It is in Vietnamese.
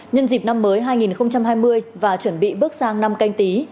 nhân dịp năm mới hai nghìn hai mươi và chuẩn bị bước sang năm canh tí